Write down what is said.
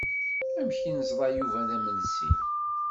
Amek i neẓra Yuba d amelsi?